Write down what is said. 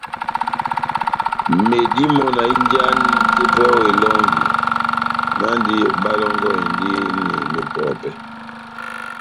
Medimɔ́ na hínjahani tepɛhɛ ó elɔngi, náhndi bálɔ́ngɔhindini mepɔpɛ́.